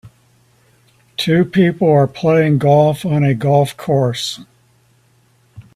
Two people are playing golf on a golf course.